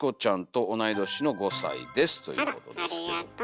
あらありがと。